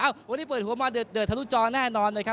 วันนี้เปิดหัวมาเดือดทะลุจอแน่นอนนะครับ